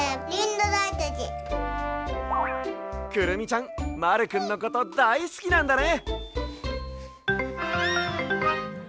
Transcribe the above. くるみちゃんまるくんのことだいすきなんだね。